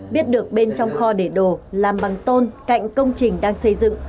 biết được bên trong kho để đồ làm bằng tôn cạnh công trình đang xây dựng